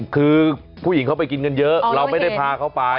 คือผู้หญิงเขาไปกินกันเยอะเราไม่ได้พาเขาไป